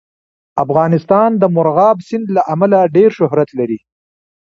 افغانستان د مورغاب سیند له امله ډېر شهرت لري.